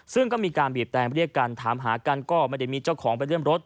ซึ่งก็มีการบีบแตงเรียกกันถามหากันก็ไม่ได้มีเจ้าของไปเลื่อนรถ